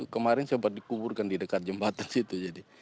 kemarin sempat dikuburkan di dekat jembatan situ